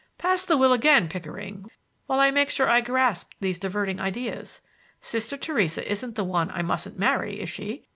"Pass the will again, Pickering, while I make sure I grasp these diverting ideas. Sister Theresa isn't the one I mustn't marry, is she?